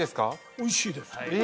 おいしいですえ？